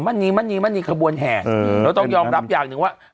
มั่นนี้มั่นนี้มั่นนีขบวนแห่เราต้องยอมรับอย่างหนึ่งว่า